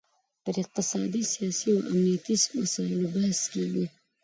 پر اقتصادي، سیاسي او امنیتي مسایلو بحث کیږي